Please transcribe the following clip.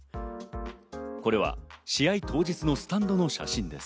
これは試合当日のスタンドの写真です。